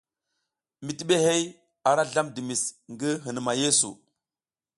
Mitibihey ara zlam dimis ngi hinuma yeesu.